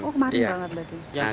oh kemarin banget tadi